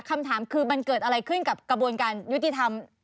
คำถามคือมันเกิดอะไรขึ้นกับกระบวนการยุติธรรม